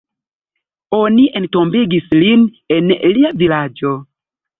Oni entombigis lin en lia vilaĝo.